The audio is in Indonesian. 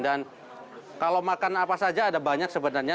dan kalau makan apa saja ada banyak sebenarnya